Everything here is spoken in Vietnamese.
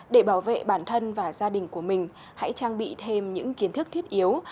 để bảo vệ bản thân và gia đình của mình hãy trang bị thêm những kiến thức thiết yếu